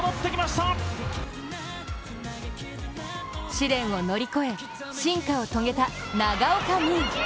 試練を乗り越え、進化を遂げた長岡望悠。